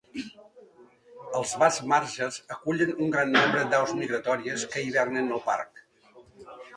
Els vasts marges acullen un gran nombre d'aus migratòries que hivernen al parc.